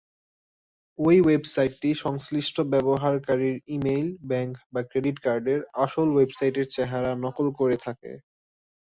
ঐ ওয়েবসাইটটি সংশ্লিষ্ট ব্যবহারকারীর ইমেইল, ব্যাংক বা ক্রেডিট কার্ডের আসল ওয়েবসাইটের চেহারা নকল করে থাকে।